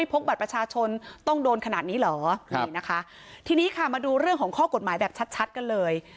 พกบัตรประชาชนต้องโดนขนาดนี้เหรอนี่นะคะทีนี้ค่ะมาดูเรื่องของข้อกฎหมายแบบชัดชัดกันเลย